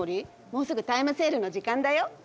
もうすぐタイムセールの時間だよ。